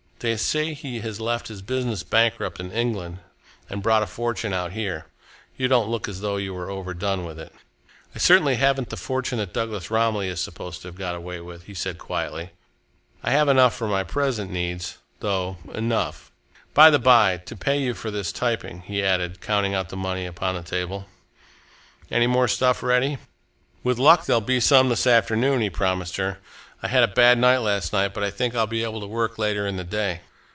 They say he has left his business bankrupt in England and brought a fortune out here. You don't look as though you were overdone with it." "I certainly haven't the fortune that Douglas Romilly is supposed to have got away with," he said quietly. "I have enough money for my present needs, though enough, by the by, to pay you for this typing," he added, counting out the money upon the table. "Any more stuff ready?" "With luck there'll be some this afternoon," he promised her. "I had a bad night last night, but I think I'll be able to work later in the day."